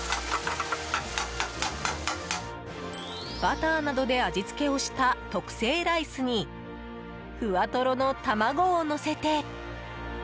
バターなどで味付けをした特製ライスにふわとろの卵をのせて。